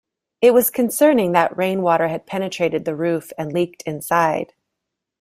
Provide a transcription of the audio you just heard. It was concerning that rainwater had penetrated the roof and leaked inside.